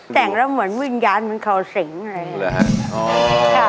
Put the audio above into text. แต่งแล้วเหมือนวินยาแบบเหมือนเฆาสิงเลย